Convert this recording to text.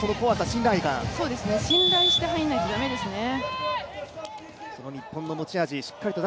信頼して入らないと駄目ですね。